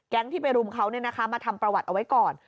ที่ไปรุมเขามาทำประวัติเอาไว้ก่อน